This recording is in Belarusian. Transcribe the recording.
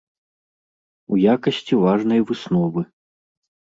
У якасці важнай высновы.